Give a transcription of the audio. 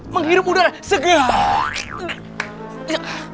menghirup udara segera